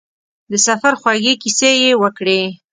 د سفر خوږې کیسې یې وکړې.